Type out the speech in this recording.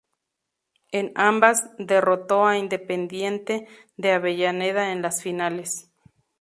En ambas, derrotó a Independiente de Avellaneda en las finales.